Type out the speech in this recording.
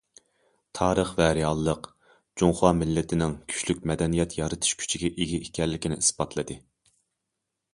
تارىخ ۋە رېئاللىق جۇڭخۇا مىللىتىنىڭ كۈچلۈك مەدەنىيەت يارىتىش كۈچىگە ئىگە ئىكەنلىكىنى ئىسپاتلىدى.